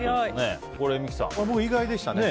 意外でしたね。